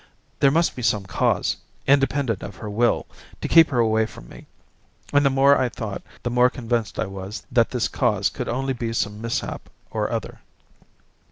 There must be some cause, independent of her will, to keep her away from me, and the more I thought, the more convinced I was that this cause could only be some mishap or other.